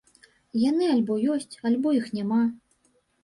Яны альбо ёсць, альбо іх няма.